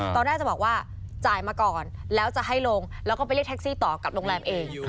ตอนแรกจะบอกว่าจ่ายมาก่อนแล้วจะให้ลงแล้วก็ไปเรียกแท็กซี่ต่อกับโรงแรมเอง